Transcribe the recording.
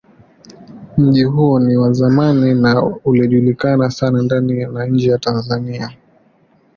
Mji huo ni wa zamani na ilijulikana sana ndani na nje ya Tanzania.